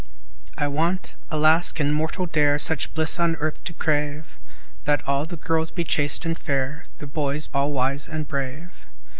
I want (alas! can mortal dare Such bliss on earth to crave?) That all the girls be chaste and fair, The boys all wise and brave.